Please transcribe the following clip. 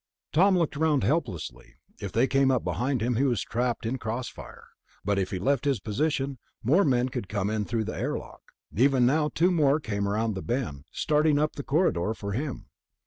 Tom looked around helplessly. If they came up behind him, he was trapped in a crossfire. But if he left his position, more men could come in through the airlock. Even now two more came around the bend, starting up the corridor for him....